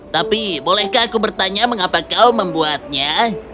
tapi bolehkah aku bertanya mengapa kau membuatnya